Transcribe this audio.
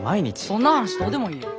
そんな話どうでもいいよ。